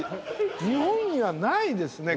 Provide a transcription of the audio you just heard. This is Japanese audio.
日本にはないですね。